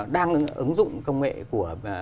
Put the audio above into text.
đang ứng dụng công nghệ của